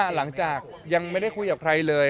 หลังจากยังไม่ได้คุยกับใครเลย